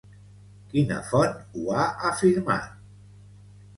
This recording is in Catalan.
Quina font ho ha afirmat?